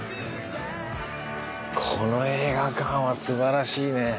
この映画館は素晴らしいね。